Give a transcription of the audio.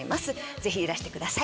ぜひいらしてください。